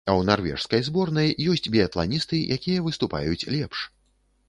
А ў нарвежскай зборнай ёсць біятланісты, якія выступаюць лепш.